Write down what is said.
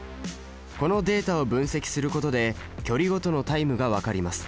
このデータを分析することで距離ごとのタイムが分かります。